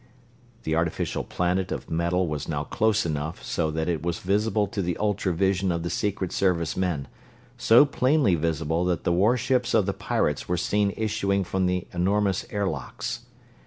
The artificial planet of metal was now close enough so that it was visible to the ultra vision of the Secret Service men, so plainly visible that the warships of the pirates were seen issuing from the enormous air locks.